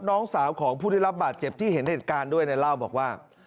น้องสาวของผู้ได้รับบาดเจ็บที่เห็นเหตุการณ์ด้วยเนี่ยเล่าบอกว่า